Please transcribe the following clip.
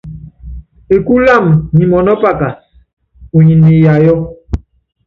Ekúlu wamɛ nyi mɔnɔ́pakas, unyi niiyayɔ́.